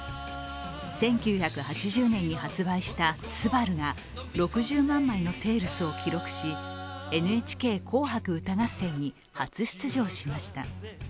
１９８０年に発売した「昴−すばる−」が６０万枚のセールスを記録しＮＨＫ「紅白歌合戦」に初出場しました。